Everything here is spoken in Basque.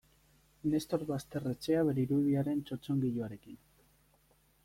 Nestor Basterretxea bere irudiaren txotxongiloarekin.